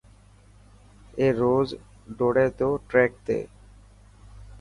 اي روز ڊوڙي تو ٽريڪ تي .